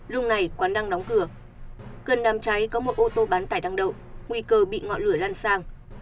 lúc này quán đang đóng cửa gần đám cháy có một ô tô bán tải đang đậu nguy cơ bị ngọn lửa lan sang